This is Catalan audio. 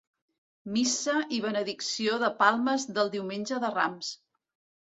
Missa i benedicció de palmes del Diumenge de Rams.